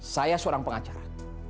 saya seorang pengacara